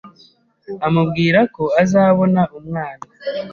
amubwira ko azabona umwana